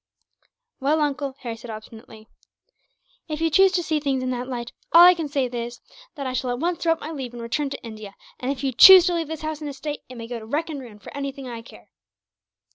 "Well, uncle," Harry said obstinately, "if you choose to see things in that light, all I can say is, that I shall at once throw up my leave and return to India; and if you choose to leave this house and estate, it may go to wreck and ruin for anything I care."